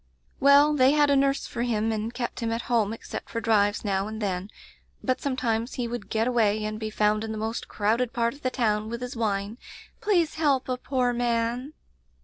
"Well, they had a nurse for him and kept him at home except for drives now and then, but sometimes he would get away and be found in the most crowded part of the town, with his whine — 'Please help a poor man!